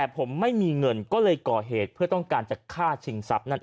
ผมไม่มีเงินก็เลยก่อเหตุเพื่อต้องการจัดค่าชิงทราบนั้น